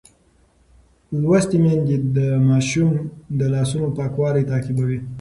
لوستې میندې د ماشوم د لاسونو پاکوالی تعقیبوي.